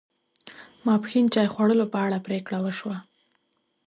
ماپښین چای خوړلو په اړه پرېکړه و شوه.